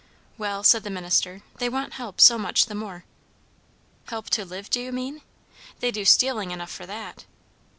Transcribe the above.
"Well," said the minister, "they want help so much the more." "Help to live, do you mean? They do stealing enough for that."